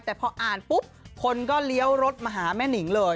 แต่พออ่านปุ๊บคนก็เลี้ยวรถมาหาแม่นิงเลย